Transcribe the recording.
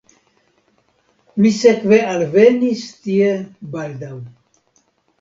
Mi sekve alvenis tie baldaŭ.